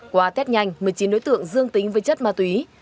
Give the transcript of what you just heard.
qua test nhanh một mươi chín đối tượng dương tính với chất ma túy